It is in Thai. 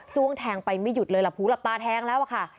จุ้องแทงไปไม่หยุดเลยปูกหลับตาแทงแล้วค่ะ